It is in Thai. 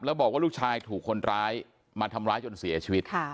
แล้วบอกว่าลูกชายถูกคนร้ายมาทำร้ายจนเสียชีวิต